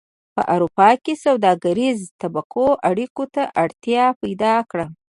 په اروپا کې سوداګریزو طبقو اړیکو ته اړتیا پیدا کړه